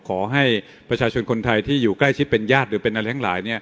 ขอให้ประชาชนคนไทยที่อยู่ใกล้ชิดเป็นญาติหรือเป็นอะไรทั้งหลาย